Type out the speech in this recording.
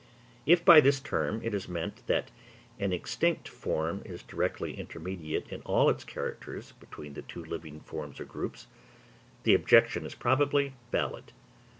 If by this term it is meant that an extinct form is directly intermediate in all its characters between two living forms or groups, the objection is probably valid.